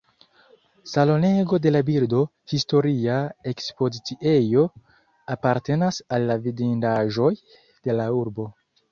Salonego de la birdo, historia ekspoziciejo, apartenas al la vidindaĵoj de la urbo.